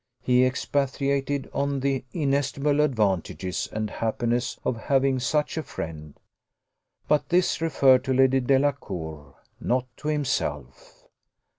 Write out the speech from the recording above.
He expatiated on the inestimable advantages and happiness of having such a friend but this referred to Lady Delacour, not to himself.